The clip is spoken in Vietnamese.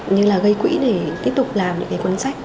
như là gây quỹ để tiếp tục làm những cái cuốn sách